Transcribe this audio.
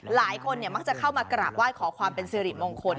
หลายคนมักจะเข้ามากราบไหว้ขอความเป็นสิริมงคล